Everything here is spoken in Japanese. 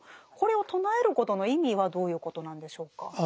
これを唱えることの意味はどういうことなんでしょうか？